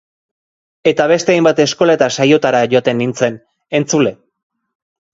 Eta beste hainbat eskola eta saiotara joaten nintzen, entzule.